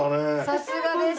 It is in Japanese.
さすがです。